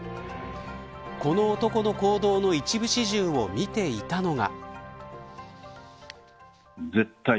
この男の行動の一部始終を見ていたのが。